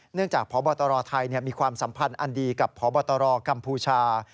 เนื่องจากพบไทยมีความสัมพันธ์อันดีกับพบกัมพูชา